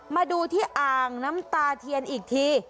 มาดูที่อ่างน้ำตาเทียนอีกที